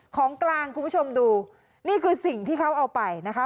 ของกลางคุณผู้ชมดูนี่คือสิ่งที่เขาเอาไปนะคะ